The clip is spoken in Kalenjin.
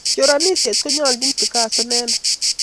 Choranisio ni konyalchin Picasso inendet